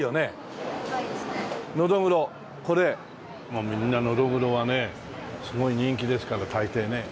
もうみんなノドグロはねすごい人気ですから大抵ね。